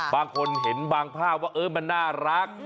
บางคนเห็นบางภาพว่ามันน่ารัก